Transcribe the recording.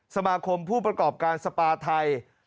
สมาคมผู้ประกอบการสปาไทย